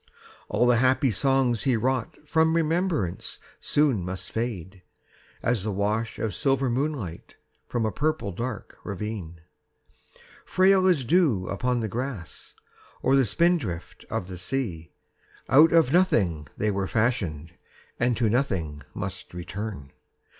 All the happy songs he wrought From remembrance soon must fade, As the wash of silver moonlight 15 From a purple dark ravine. Frail as dew upon the grass Or the spindrift of the sea, Out of nothing they were fashioned And to nothing must return.